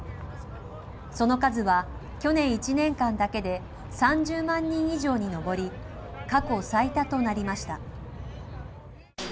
その数は去年１年間だけで、３０万人以上に上り、過去最多となりました。